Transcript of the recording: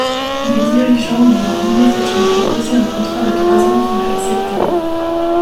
Les dirigeants lui ont immédiatement proposé un contrat de trois ans qu'il a accepté.